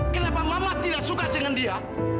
kenapa mama tidak suka dengan dia